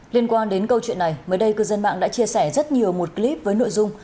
liên quan đến câu chuyện này mới đây cư dân mạng đã chia sẻ rất nhiều một clip với nội dung